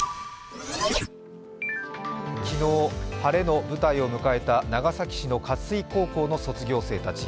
昨日、晴れの舞台を迎えた長崎市の活水高校の卒業生たち。